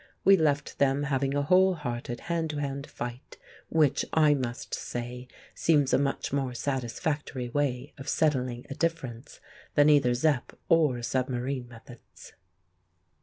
We left them having a whole hearted hand to hand fight—which, I must say, seems a much more satisfactory way of settling a difference than either Zepp or submarine methods.